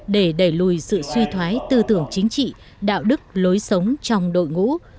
để đẩy lùi sự suy thoái tư tưởng chính trị đạo đức lối sống trong đội ngũ